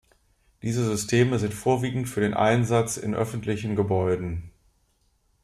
Diese Systeme sind vorwiegend für den Einsatz in öffentlichen Gebäuden.